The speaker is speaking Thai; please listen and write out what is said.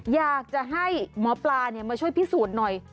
อยากจะให้หมอปลามาช่วยพิสูจน์หน่อย